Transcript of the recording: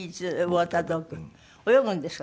泳ぐんですか？